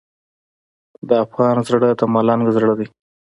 د افغان زړه د ملنګ زړه دی.